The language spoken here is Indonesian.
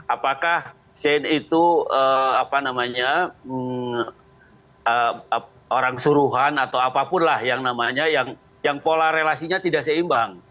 apakah shane itu apa namanya orang suruhan atau apapun lah yang namanya yang pola relasinya tidak seimbang